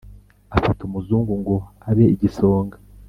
afata umuzungu ngo abe igisonga